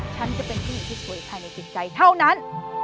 ฉันจะเป็นคนที่สวยใครในจิตใจเท่านั้น